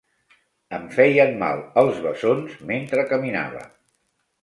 Em feien mals els bessons mentre caminava.